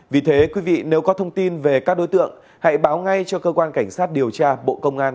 vì thế quý vị nếu có thông tin về các đối tượng hãy báo ngay cho cơ quan cảnh sát điều tra bộ công an